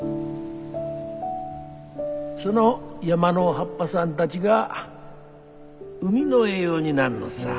その山の葉っぱさんたちが海の栄養になんのっさ。